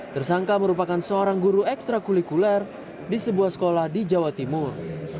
tersangka merupakan seorang guru ekstra kulikuler di sebuah sekolah di jawa timur